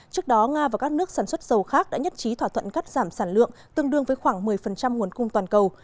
trước đó nga và các nước sản xuất dầu khác đã nhất trí thỏa thuận cắt giảm sản lượng tương đương với khoảng một mươi nguồn cung toàn cầu